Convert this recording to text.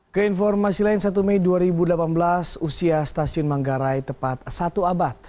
keinformasi lain satu mei dua ribu delapan belas usia stasiun manggarai tepat satu abad